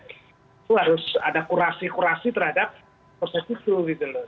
itu harus ada kurasi kurasi terhadap proses itu gitu loh